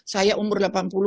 saya umur delapan puluh